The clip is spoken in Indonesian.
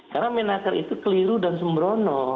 karena menakar itu keliru dan sembrono